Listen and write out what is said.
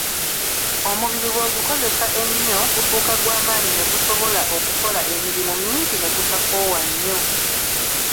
Omubiri bw'ogukozesa ennyo, gufuuka gwa maanyi ne gusobola okukola emirimu mingi ne gutakoowa nnyo.